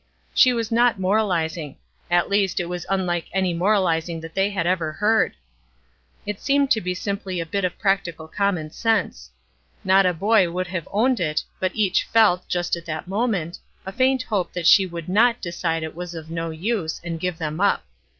She was not moralizing; at least it was unlike any moralizing that they had ever heard. It seemed to be simply a bit of practical common sense. Not a boy would have owned it, but each felt, just at that moment, a faint hope that she would not decide it was of no use, and give them up.